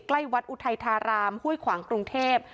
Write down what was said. ใกล้วัดอุทัยธารามห้วยขวางกรุงเทพ